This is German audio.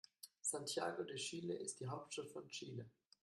Santiago de Chile ist die Hauptstadt von Chile.